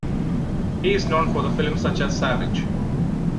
He is known for the films such as Savage!